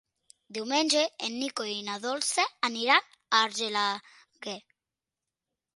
Diumenge en Nico i na Dolça aniran a Argelaguer.